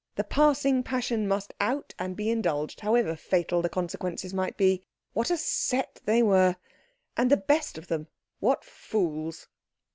The passing passion must out and be indulged, however fatal the consequences might be. What a set they were! And the best of them, what fools.